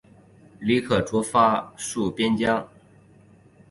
李可灼发戍边疆。